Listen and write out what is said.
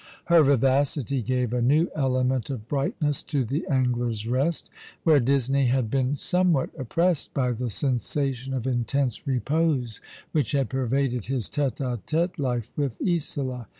Her vivacity gave a new element of brightness to the Angler's Eest, where Disney had been somewhat oppressed by the sensation of intense repose which had pervaded his tete a tete life with Isola.